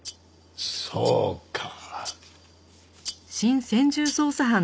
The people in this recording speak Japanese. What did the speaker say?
そうか。